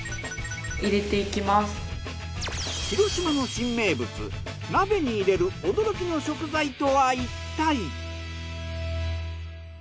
広島の新名物鍋に入れる驚きの食材とは一体？